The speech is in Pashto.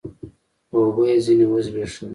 اوبه يې ځيني و زبېښلې